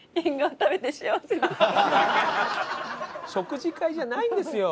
食事会じゃないんですよ。